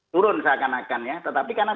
turun seakan akan ya tetapi karena